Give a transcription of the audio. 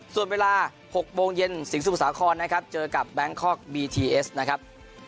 ส่วนเวลา๖โมงเย็นสิงสมุทรสาครนะครับเจอกับแบงคอกบีทีเอสนะครับ